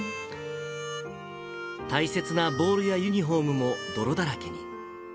大切なボールやユニホームも泥だらけに。